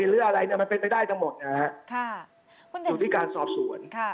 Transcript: หรืออะไรเนี้ยมันเป็นไปได้ทั้งหมดนะฮะค่ะคุณเด็กอยู่ที่การสอบส่วนค่ะ